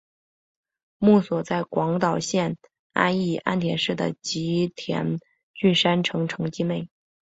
墓所在广岛县安艺高田市的吉田郡山城城迹内。